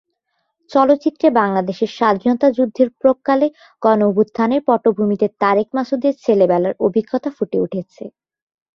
চলচ্চিত্রে বাংলাদেশের স্বাধীনতা যুদ্ধের প্রাক্কালে গণঅভ্যুত্থানের পটভূমিতে তারেক মাসুদের ছেলেবেলার অভিজ্ঞতা ফুটে উঠেছে।